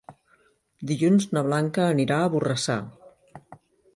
Dilluns na Blanca anirà a Borrassà.